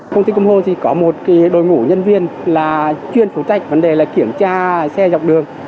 công ty kim hồ thì có một đội ngũ nhân viên là chuyên phụ trách vấn đề là kiểm tra xe dọc đường